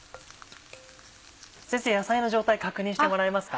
先生野菜の状態確認してもらえますか？